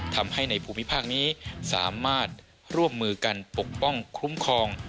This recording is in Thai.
ทำให้ในภูมิภาคนี้สามารถร่วมมือกันปกป้องคุ้มครอง